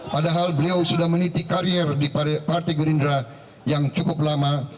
padahal beliau sudah menitik karir di partai gerindra yang cukup lama